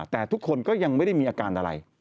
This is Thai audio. แต่ทุกคนก็ยังไม่ได้มีอาการอะไร